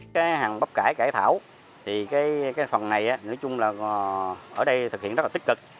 cái hàng bắp cải cải thảo thì cái phần này nói chung là ở đây thực hiện rất là tích cực